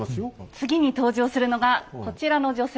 次に登場するのがこちらの女性です。